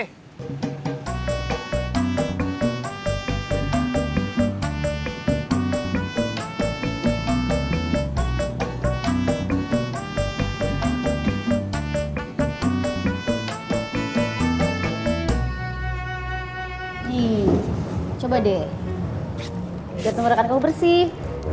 hii coba deh biar temen rekan kamu bersih